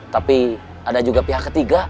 tapi ada juga pihak ketiga